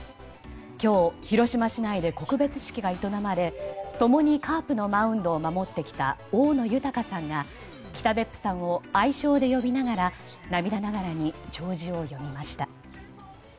今日、広島市内で告別式が営まれ共にカープのマウンドを守ってきた大野豊さんが北別府さんを愛称で呼びながら涙ながらに弔辞を読みました。